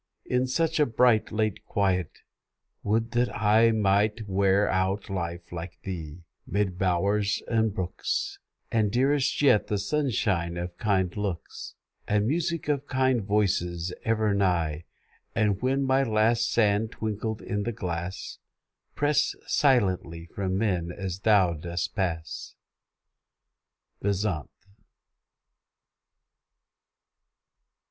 In such a bright, late quiet, would that I Might wear out life like thee, mid bowers and brooks, And, dearest yet, the sunshine of kind looks, And music of kind voices ever nigh; And when my last sand twinkled in the glass, Pass silently from men, as thou dost pass. BEZANT.